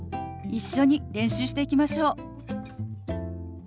一緒に練習していきましょう。